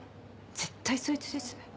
絶対そいつです。